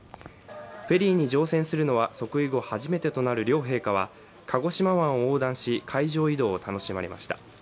フェリーに乗船するのは即位後初めてとなる両陛下は、鹿児島湾を横断し、海上移動を楽しまれました。